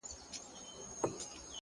نیکي د وخت له تېرېدو نه زړېږي.